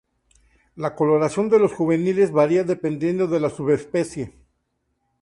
La coloración de los juveniles varía dependiendo de la subespecie.